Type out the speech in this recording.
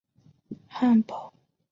汉堡包是由两片面包夹肉饼而成。